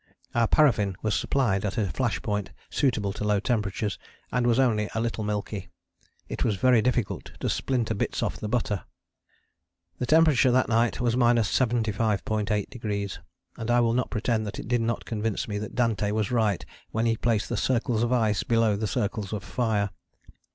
Our paraffin was supplied at a flash point suitable to low temperatures and was only a little milky: it was very difficult to splinter bits off the butter. The temperature that night was 75.8°, and I will not pretend that it did not convince me that Dante was right when he placed the circles of ice below the circles of fire.